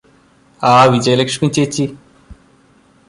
ആ വിജയലക്ഷ്മി ചേച്ചി